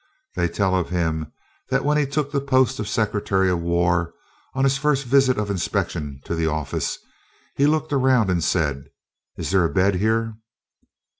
They tell of him that when he took the post of Secretary of War, on his first visit of inspection to the office he looked around and said, "Is there a bed here?"